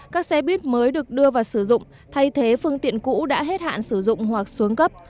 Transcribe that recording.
các xe buýt mới được đưa vào sử dụng thay thế phương tiện cũ đã hết hạn sử dụng hoặc xuống cấp